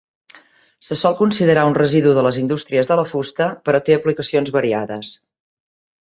Se sol considerar un residu de les indústries de la fusta, però té aplicacions variades.